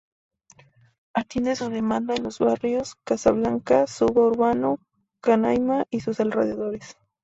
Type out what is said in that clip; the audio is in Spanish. Atiende la demanda de los barrios Casablanca Suba Urbano, Canaima y sus alrededores.